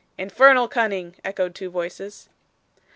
'Infernal cunning,' echoed two voices.